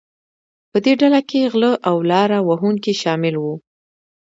په دې ډله کې غلۀ او لاره وهونکي شامل وو.